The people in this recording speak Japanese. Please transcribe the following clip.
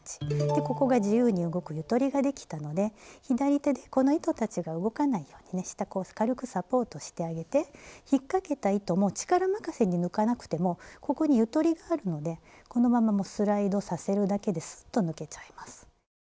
でここが自由に動く「ゆとり」ができたので左手でこの糸たちが動かないようにね下こう軽くサポートしてあげてひっかけた糸も力任せに抜かなくてもここに「ゆとり」があるのでこのままもうスライドさせるだけでスッと抜けちゃいます。